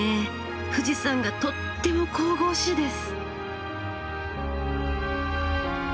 富士山がとっても神々しいです。